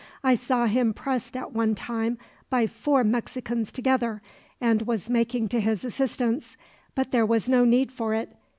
I saw him pressed at one time by four Mexicans together, and was making to his assistance. But there was no need for it.